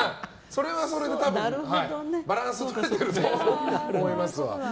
それはそれでバランスが取れてると思いますわ。